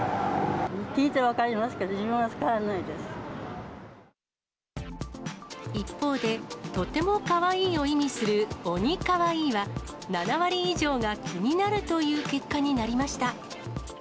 聞いて分かりますけど、一方で、とてもかわいいを意味する鬼かわいいは、７割以上が気になるという結果になりました。